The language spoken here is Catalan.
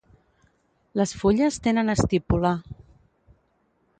Les fulles tenen estípula.